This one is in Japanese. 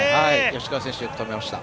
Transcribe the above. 吉川選手、よく止めました。